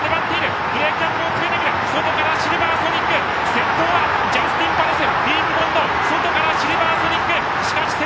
先頭、ジャスティンパレス！